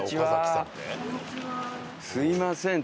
すいません。